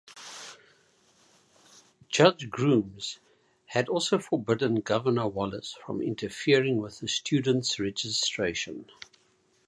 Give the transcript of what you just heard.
Judge Grooms had also forbidden Governor Wallace from interfering with the students' registration.